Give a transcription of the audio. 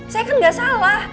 saya kan gak salah